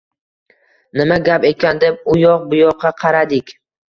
Nima gap ekan deb u yoq-bu yoqqa qaradik